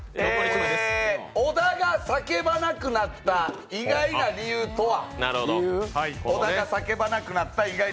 小田が突然叫ばなくなった、意外な理由とは？